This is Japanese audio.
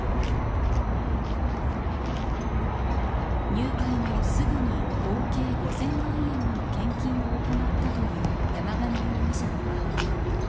入会後すぐに合計５０００万円もの献金を行ったという山上容疑者の母親。